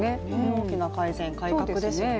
大きな改善、改革ですよね。